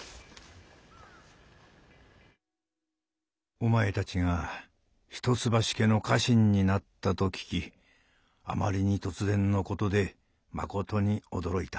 「お前たちが一橋家の家臣になったと聞きあまりに突然のことでまことに驚いた。